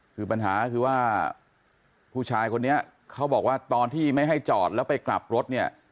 คือปัญหาคือว่าผู้ชายคนนี้เขาบอกว่าตอนที่ไม่ให้จอดแล้วไปกลับรถเนี่ย